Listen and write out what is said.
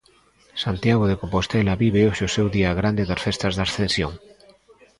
Santiago de Compostela vive hoxe o seu día grande das festas da Ascensión.